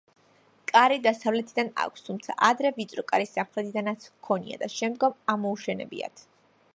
კარი დასავლეთიდან აქვს, თუმცა ადრე ვიწრო კარი სამხრეთიდანაც ჰქონია და შემდგომ ამოუშენებიათ.